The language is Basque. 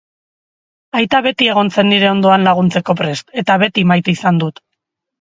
Aita beti egon zen nire ondoan laguntzeko prest eta beti maite izan dut.